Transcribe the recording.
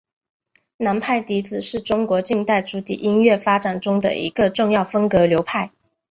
南派笛子是中国近代竹笛音乐发展中的一个重要风格流派。